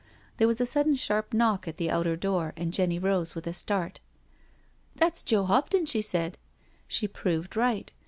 There was a sudden sharp knock at the outer door, and Jenny rose with a start. "That's Joe HoptonI" she said. She proved right.